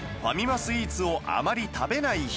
スイーツをあまり食べない人